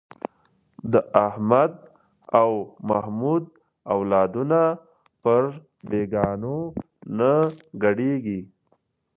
د احمد او محمود اولادونه پر بېګانو نه ګډېږي.